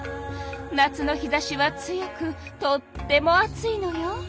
夏の日ざしは強くとっても暑いのよ。